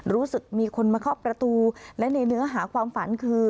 รู้สึกมีคนมาเคาะประตูและในเนื้อหาความฝันคือ